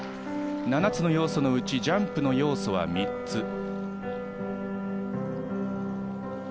７つの要素のうちジャンプの要素は３つ。